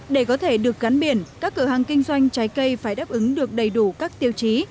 để có thể được gắn biển các cửa hàng kinh doanh trái cây phải đáp ứng được đầy đủ các tiêu chí